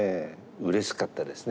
うれしかったですね。